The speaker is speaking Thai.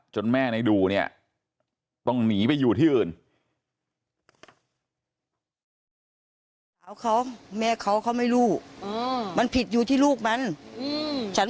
แม่ในดูเนี่ยต้องหนีไปอยู่ที่อื่น